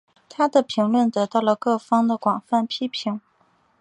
她的评论得到了各方的广泛批评。